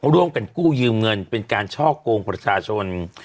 ร่วมกันกู้ยืมเงินเป็นการช่อกงประชาชน